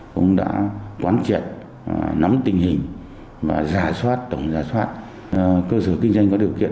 cũng đã quán triệt nắm tình hình và giả soát tổng giả soát cơ sở kinh doanh có điều kiện